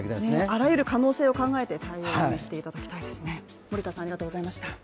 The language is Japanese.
あらゆる可能性を考えて対応していただきたいですね。